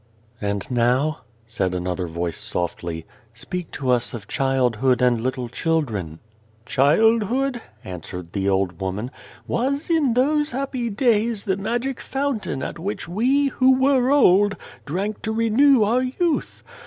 "And now," said another voice softly, " speak to us of childhood and little children." " Childhood," answered the old woman, " was, in those happy days, the magic fountain at which we, who were old, drank to renew our youth.